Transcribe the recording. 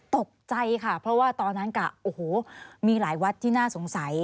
ตกใจค่ะเพราะว่าตอนนั้นกะโอ้โหมีหลายวัดที่น่าสงสัย